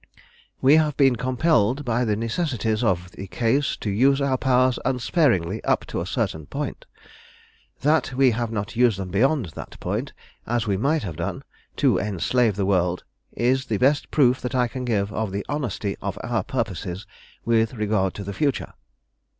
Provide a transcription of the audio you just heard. We have been compelled by the necessities of the case to use our powers unsparingly up to a certain point. That we have not used them beyond that point, as we might have done, to enslave the world, is the best proof that I can give of the honesty of our purposes with regard to the future.